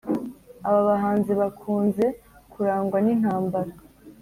aba bahanzi bakunze kurangwa n’intambara